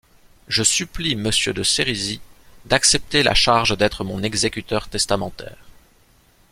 Je supplie monsieur de Sérisy d’accepter la charge d’être mon exécuteur testamentaire.